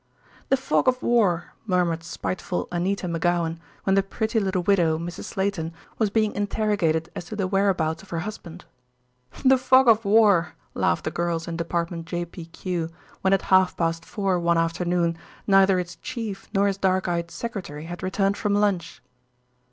"The fog of war," murmured spiteful Anita McGowan, when the pretty little widow, Mrs. Sleyton, was being interrogated as to the whereabouts of her husband. "The fog of war," laughed the girls in Department J.P.Q., when at half past four one afternoon neither its chief nor his dark eyed secretary had returned from lunch.